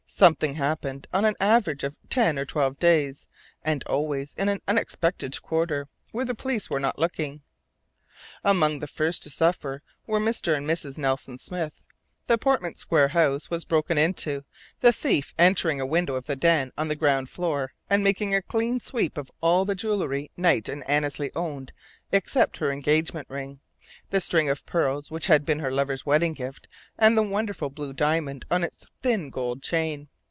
Something happened on an average of every ten or twelve days, and always in an unexpected quarter, where the police were not looking. Among the first to suffer were Mr. and Mrs. Nelson Smith. The Portman Square house was broken into, the thief entering a window of the "den" on the ground floor, and making a clean sweep of all the jewellery Knight and Annesley owned except her engagement ring, the string of pearls which had been her lover's wedding gift, and the wonderful blue diamond on its thin gold chain.